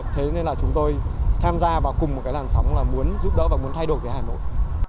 thế nên là chúng tôi tham gia vào cùng một cái làn sóng là muốn giúp đỡ và muốn thay đổi về hà nội